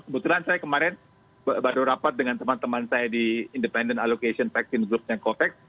kebetulan saya kemarin baru rapat dengan teman teman saya di independent allocation vaksin groupnya covax